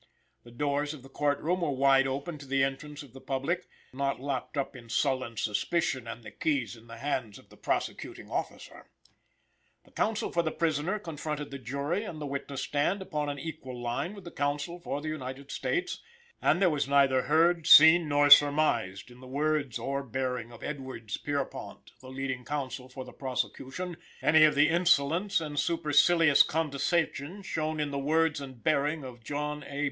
The doors of the court room were wide open to the entrance of the public, not locked up in sullen suspicion, and the keys in the hands of the prosecuting officer. The counsel for the prisoner confronted the jury and the witness stand upon an equal line with the counsel for the United States; and there was neither heard, seen, nor surmised, in the words or bearing of Edwards Pierrepont, the leading counsel for the prosecution, any of the insolence and supercilious condescension shown in the words and bearing of John A.